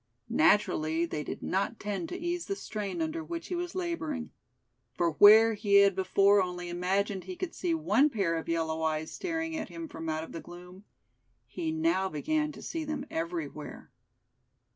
Naturally they did not tend to ease the strain under which he was laboring; for where he had before only imagined he could see one pair of yellow eyes staring at him from out the gloom, he now began to see them everywhere.